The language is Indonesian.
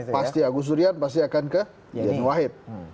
pasti ya gus durian pasti akan ke yeni wahid